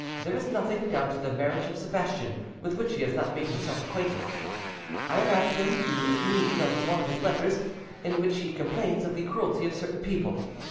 There is nothing, down to the marriage of Sebastian, with which he has not made himself acquainted. I have asked him the meaning of one of his letters, in which he complains of the cruelty of certain people.